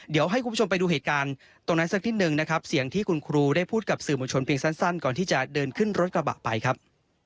เดี๋ยวให้คุณผู้ชมไปดูเหตุการณ์ตรงนั้นสักนิดนึงนะครับเสียงที่คุณครูได้พูดกับสื่อมวลชนเพียงสั้นก่อนที่จะเดินขึ้นรถกระบะไปครับ